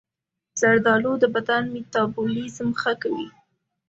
زردآلو د بدن میتابولیزم ښه کوي.